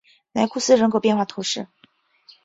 莱库斯人口变化图示